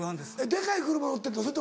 デカい車乗ってんの？